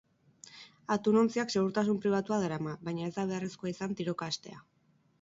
Atun-ontziak segurtasun pribatua darama, baina ez da beharrezkoa izan tiroka hastea.